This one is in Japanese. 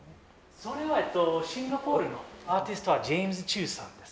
それはシンガポールのアーティストのジェームス・チューさんです。